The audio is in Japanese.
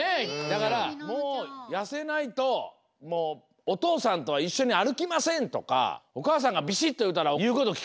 だから「もうやせないともうお父さんとはいっしょにあるきません！」とかお母さんがびしっというたらいうこときくんじゃない？